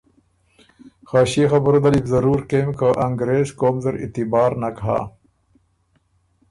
خه ݭيې خبُره دل يې بُو ضرور کېم که انګرېز قوم زر اعتبار نک هۀ۔